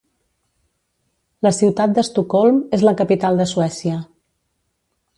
La ciutat d'Estocolm és la capital de Suècia.